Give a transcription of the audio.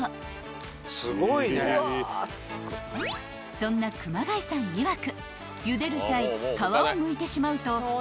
［そんな熊谷さんいわく］